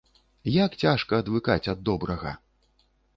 Як цяжка адвыкаць ад добрага!